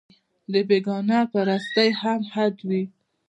د بېګانه پرستۍ هم حد وي